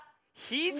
ひざ！